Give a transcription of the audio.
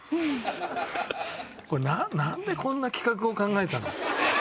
これなんでこんな企画を考えたの？